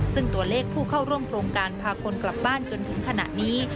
ซึ่งตัวเลขผู้เข้าร่วมโครงการพาคนกลับบ้านจนถึงขณะนี้